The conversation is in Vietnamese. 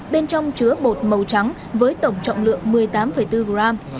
bên trong chứa bột màu trắng với tổng trọng lượng một mươi tám bốn gram